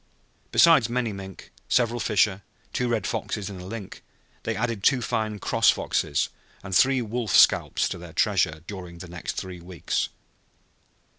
Besides many mink, several fisher, two red foxes and a lynx, they added two fine "cross" foxes and three wolf scalps to their treasure during the next three weeks.